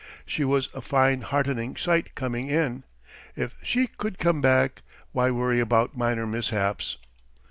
She was a fine heartening sight coming in. If she could come back, why worry about minor mishaps?